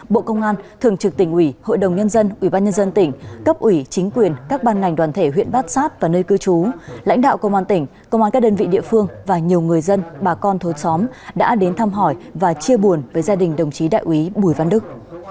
bộ công an thường trực tỉnh ủy hội đồng nhân dân ủy ban nhân dân tỉnh cấp ủy chính quyền các ban ngành đoàn thể huyện bát sát và nơi cư trú lãnh đạo công an tỉnh công an các đơn vị địa phương và nhiều người dân bà con thối xóm đã đến thăm hỏi và chia buồn với gia đình đồng chí đại quý bùi văn đức